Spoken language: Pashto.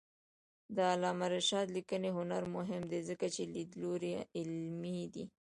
د علامه رشاد لیکنی هنر مهم دی ځکه چې لیدلوری علمي دی.